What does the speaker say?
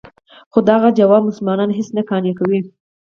خو دغه ځواب مسلمانان هېڅ نه قانع کوي.